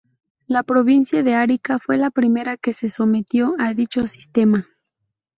La provincia de Arica fue la primera que se sometió a dicho sistema.